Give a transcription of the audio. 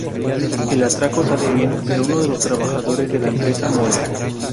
El atraco sale bien, pero uno de los trabajadores de la empresa muere.